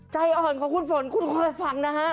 ใจอ่อนของคุณฝนคุณคอยฟังนะฮะ